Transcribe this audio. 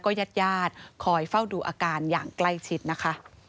เขาก็ต้องมีคดีอย่างนี้อีก